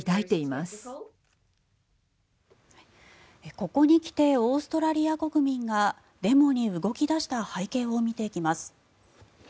ここに来てオーストラリア国民がデモに動き出した背景を見ていきます。